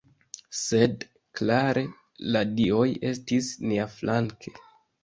Sed klare la dioj estis niaflanke.